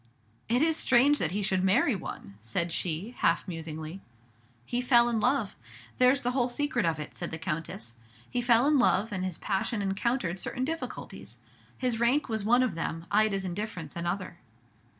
"It is strange that he should marry one!" said she, half musingly. "He fell in love, there's the whole secret of it," said the Countess. "He fell in love, and his passion encountered certain difficulties. His rank was one of them, Ida's indifference another."